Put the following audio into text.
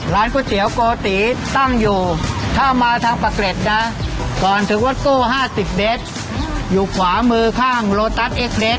ก๋วยเตี๋ยวโกติตั้งอยู่ถ้ามาทางปากเกร็ดนะก่อนถึงรถตู้๕๐เมตรอยู่ขวามือข้างโลตัสเอ็กเดส